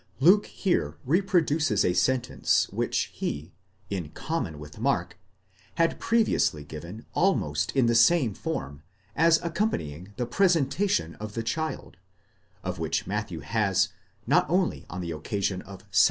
Luke here reproduces a sentence which he, in common with Mark, had previously given almost in the same form, as accompanying the presen tation of the child; and which Matthew has, not only on the occasion of 1 Ut sup.